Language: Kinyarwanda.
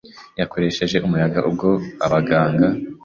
yakoresheje umuyaga ubwo abaganga